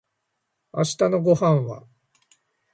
明日のご飯は